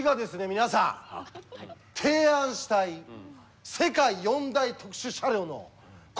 皆さん提案したい世界四大特殊車両の候補はこちらです。